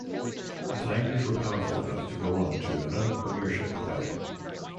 The Tigers were powerful enough to go on to another premiership without him.